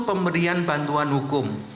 pemberian bantuan hukum